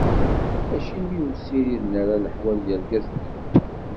Acimi ur ssiriden ara leḥwal yergazen deg wexxam?